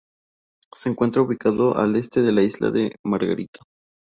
Se encuentra ubicado al este de la Isla de Margarita.